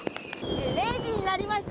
０時になりました。